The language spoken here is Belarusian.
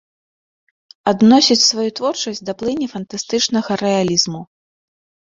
Адносіць сваю творчасць да плыні фантастычнага рэалізму.